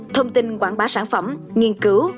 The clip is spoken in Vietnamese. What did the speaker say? thông tin quảng bá sản phẩm nghiên cứu